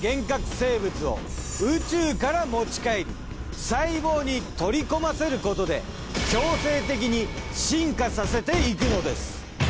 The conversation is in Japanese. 生物を宇宙から持ち帰り細胞に取り込ませることで強制的に進化させていくのです。